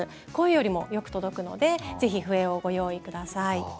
声よりも、よく届くのでぜひ、笛をご用意ください。